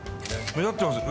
目立ってますよ。